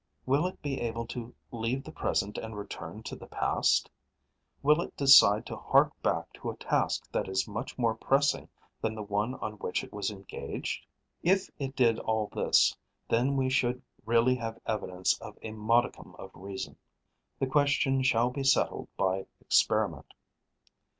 Will it be able to leave the present and return to the past? Will it decide to hark back to a task that is much more pressing than the one on which it was engaged? If it did all this, then we should really have evidence of a modicum of reason. The question shall be settled by experiment.